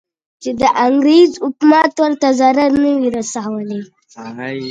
چې د انګریز حکومت ورته ضرر نه وي رسولی.